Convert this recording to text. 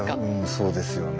そうですよね。